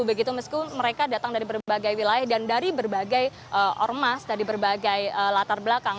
begitu meski mereka datang dari berbagai wilayah dan dari berbagai ormas dari berbagai latar belakang